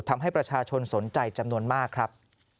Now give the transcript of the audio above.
ทำให้ประชาชนสนใจจำนวนมากครับ